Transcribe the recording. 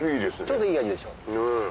ちょうどいい味でしょ？